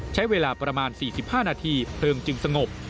ใช้เวลาประมาณ๔๕นาทีเพลิงจึงสงบ